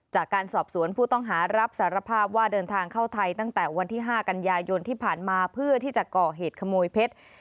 จากการสอบสวนผู้ต้องหารับสารภาพว่าเดินทางเข้าไทยตั้งแต่วันที่๕กันยายนที่ผ่านมาเพื่อที่จะก่อเหตุขโมยเพชร